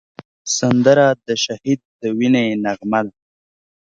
سندره د شهید د وینې نغمه ده